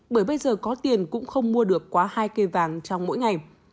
bởi bây giờ có tiền cũng không mua được quá hai cây vàng trong mỗi ngày